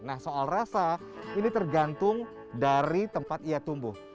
nah soal rasa ini tergantung dari tempat ia tumbuh